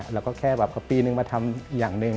เราก็แค่ปีหนึ่งมาทำอย่างหนึ่ง